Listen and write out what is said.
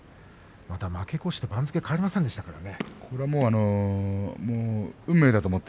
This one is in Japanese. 負け越しても番付変わりませんでしたからね